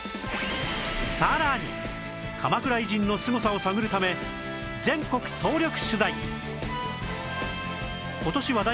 さらに鎌倉偉人のすごさを探るため全国総力取材！